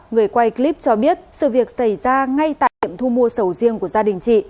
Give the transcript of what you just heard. người quay clip cho biết sự việc xảy ra ngay tại tiệm thu mua sầu riêng của gia đình chị